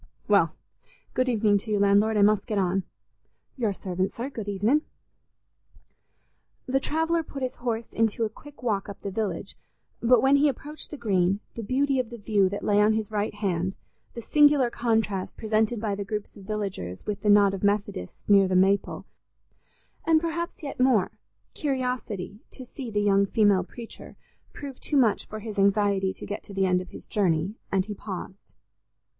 "Well, good evening to you, landlord; I must get on." "Your servant, sir; good evenin'." The traveller put his horse into a quick walk up the village, but when he approached the Green, the beauty of the view that lay on his right hand, the singular contrast presented by the groups of villagers with the knot of Methodists near the maple, and perhaps yet more, curiosity to see the young female preacher, proved too much for his anxiety to get to the end of his journey, and he paused.